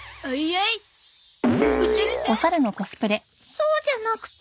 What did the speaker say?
そうじゃなくて。